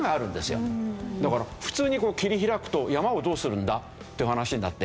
だから普通に切り開くと山をどうするんだという話になって。